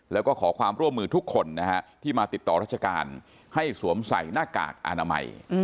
แล้วก็ขอความร่วมมือทุกคนนะฮะที่มาติดต่อราชการให้สวมใส่หน้ากากอนามัย